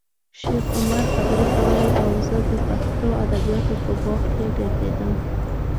شیخ عمر خبرې کولې او زه د پښتو ادبیاتو په باغ کې ګرځېدم.